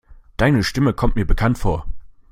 Deine Stimme kommt mir bekannt vor.